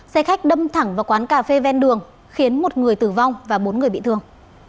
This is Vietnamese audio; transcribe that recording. xe khách đâm thẳng vào quán cà phê ven đường khiến một người tử vong và bốn người bị thương